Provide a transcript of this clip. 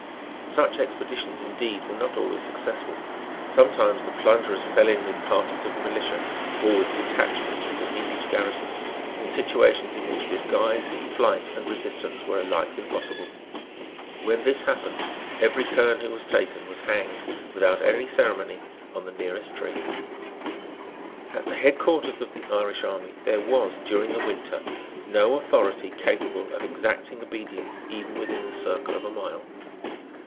Such expeditions indeed were not always successful. Sometimes the plunderers fell in with parties of militia or with detachments from the English garrisons, in situations in which disguise, flight and resistance were alike impossible. When this happened every kerne who was taken was hanged, without any ceremony, on the nearest tree. At the head quarters of the Irish army there was, during the winter, no authority capable of exacting obedience even within a circle of a mile.